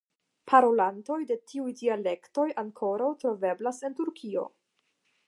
Parolantoj de tiuj dialektoj ankoraŭ troveblas en Turkio.